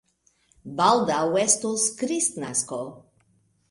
Baldaŭ estos kristnasko.